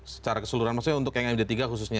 secara keseluruhan maksudnya untuk yang md tiga khususnya